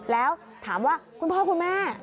แล้วถามว่าคุณพ่อคุณแม่